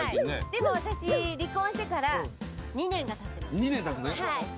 でも私、離婚してから２年が経ってます。